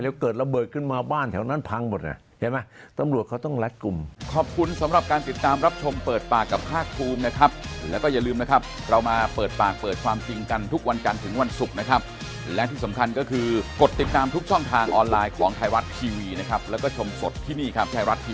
แล้วเกิดระเบิดขึ้นมาบ้านแถวนั้นพังหมดเลยใช่ไหมตำรวจเขาต้องรัดกลุ่ม